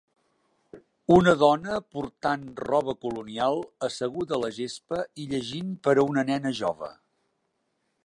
Un dona portant roba colonial asseguda a la gespa i llegint per a una nena jove.